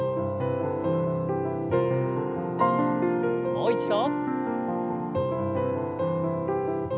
もう一度。